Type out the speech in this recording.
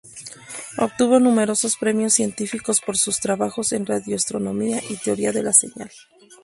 Obtuvo numerosos premios científicos por sus trabajos en radioastronomía y teoría de la señal.